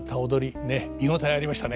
ねえ見応えありましたね。